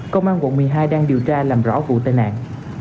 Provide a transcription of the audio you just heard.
công an quận một mươi hai đang điều tra làm rõ vụ tai nạn